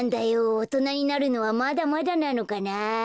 おとなになるのはまだまだなのかなあ。